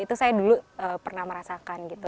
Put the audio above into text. itu saya dulu pernah merasakan gitu